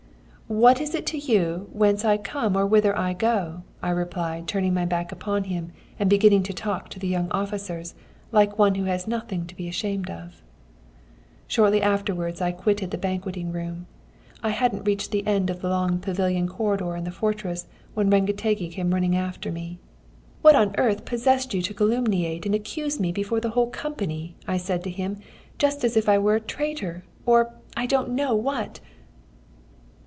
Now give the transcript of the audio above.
"'What is it to you whence I come or whither I go?' I replied, turning my back upon him and beginning to talk to the young officers, like one who has nothing to be ashamed of. "Shortly afterwards I quitted the banqueting room. I hadn't reached the end of the long pavilion corridor in the fortress when Rengetegi came running after me. "'What on earth possessed you to calumniate and accuse me before the whole company,' I said to him, 'just as if I were a traitor, or I don't know what?'